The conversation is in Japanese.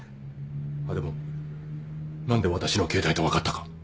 あっでも何で私の携帯と分かったか。